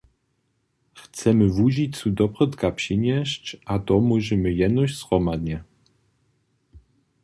Chcemy Łužicu doprědka přinjesć, a to móžemy jenož zhromadnje.